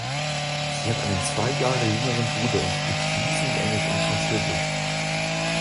Sie hat einen zwei Jahre jüngeren Bruder und spricht fließend Englisch und Französisch.